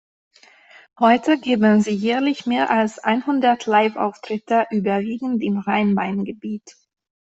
Heute geben sie jährlich mehr als einhundert Live-Auftritte überwiegend im Rhein-Main-Gebiet.